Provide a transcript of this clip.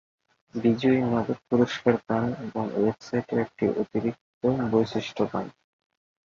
বিজয়ী নগদ পুরস্কার পান এবং ওয়েবসাইটে একটি অতিরিক্ত বৈশিষ্ট্য পান।